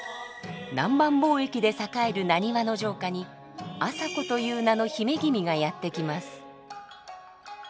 南蛮貿易で栄える難波の城下に朝子という名の姫君がやって来ます。